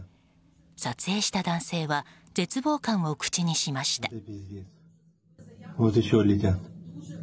撮影した男性は絶望感を口にしました。